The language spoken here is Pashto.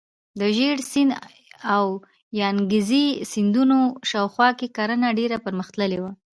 د ژیړ سیند او یانګزي سیندونو شاوخوا کې کرنه ډیره پرمختللې وه.